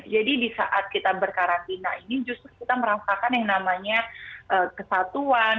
jadi di saat kita berkarantina ini justru kita merasakan yang namanya kesatuan